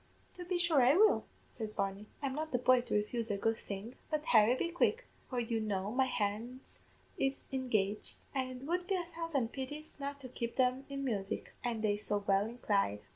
"'To be sure I will,' says Barney. 'I'm not the boy to refuse a good thing; but, Harry, be quick, for you know my hands is engaged, an' it would be a thousand pities not to keep them in music, an' they so well inclined.